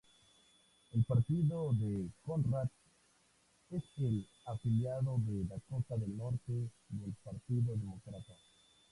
El partido de Conrad es el afiliado de Dakota del Norte del Partido Demócrata.